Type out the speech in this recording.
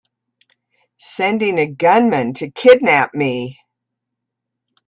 Sending a gunman to kidnap me!